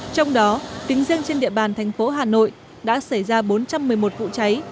trong đó tính riêng trên địa bàn thành phố hà nội đã xảy ra bốn trăm một mươi một vụ cháy